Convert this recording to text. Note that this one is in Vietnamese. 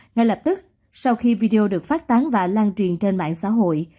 ngay lập tức sau khi video được phát tán và lan truyền trên mạng xã hội